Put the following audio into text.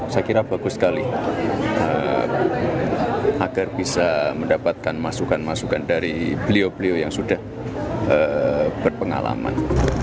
saya kira bagus sekali agar bisa mendapatkan masukan masukan dari beliau beliau yang sudah berpengalaman